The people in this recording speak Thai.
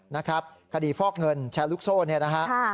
นะครับคดีฟอกเงินแชร์ลูกโซ่เนี่ยนะฮะ